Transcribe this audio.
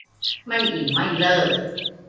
ไม่อิ่มไม่เลิก